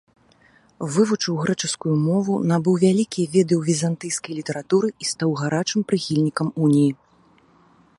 Вывучаў грэчаскую мову набыў вялікія веды ў візантыйскай літаратуры і стаў гарачым прыхільнікам уніі.